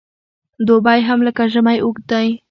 دوبی هم لکه ژمی اوږد دی .